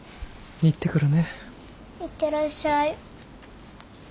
行ってらっしゃい。